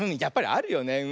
やっぱりあるよね。